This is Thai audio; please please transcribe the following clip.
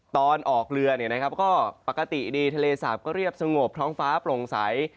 ตอนออกเรือก็ปกติดีทะเลสาบก็เรียบสงบท้องฟ้าโปร่งใส